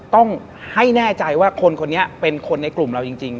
ต้องให้แน่ใจว่าคนคนนี้เป็นคนในกลุ่มเราจริง